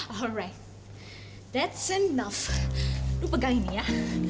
baiklah cukup lu pegang ini ya